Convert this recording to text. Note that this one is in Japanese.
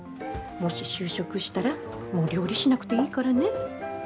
もし就職したらもう料理しなくていいからね。